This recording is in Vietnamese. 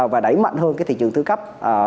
và đẩy mạnh hơn thị trường sơ cấp